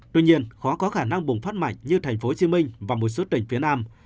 tuy nhiên khó có khả năng bùng phát mạnh như thành phố hồ chí minh và một số tỉnh phía nam